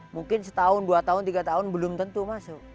mungkin setahun dua tahun tiga tahun belum tentu masuk